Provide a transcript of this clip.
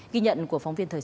ghi nhận của phóng viên thời sự